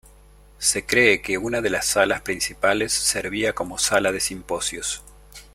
Se cree que una de las salas principales servía como sala de simposios.